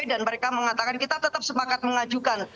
dan mereka mengatakan kita tetap sepakat mengajukan